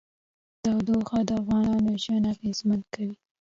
تودوخه د افغانانو ژوند اغېزمن کوي.